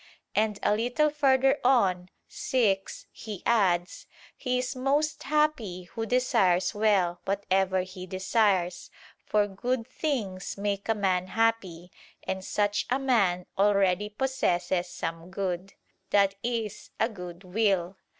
And a little further on (6) he adds: "He is most happy who desires well, whatever he desires: for good things make a man happy, and such a man already possesses some good i.e. a good will."